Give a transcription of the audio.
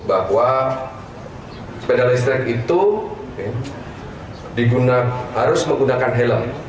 bahwa sepeda listrik itu harus menggunakan helm